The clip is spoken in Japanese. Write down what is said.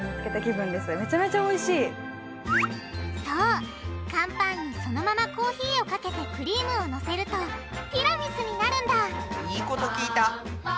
そう乾パンにそのままコーヒーをかけてクリームをのせるとティラミスになるんだいいこと聞いた。